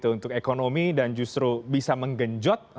untuk ekonomi dan justru bisa menggenjot